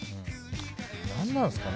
何なんですかね